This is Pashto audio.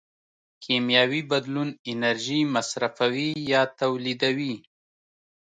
کیمیاوي بدلون انرژي مصرفوي یا تولیدوي.